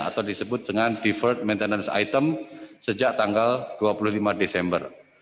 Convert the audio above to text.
atau disebut dengan defer maintenance item sejak tanggal dua puluh lima desember